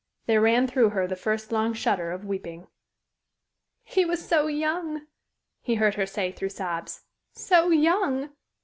There ran through her the first long shudder of weeping. "He was so young!" he heard her say through sobs. "So young!"